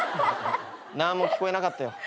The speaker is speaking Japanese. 何も聞こえなかったよ。